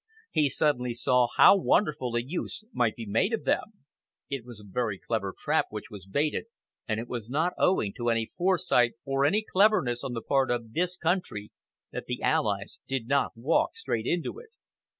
He suddenly saw how wonderful a use might be made of them. It was a very clever trap which was baited, and it was not owing to any foresight or any cleverness on the part of this country that the Allies did not walk straight into it.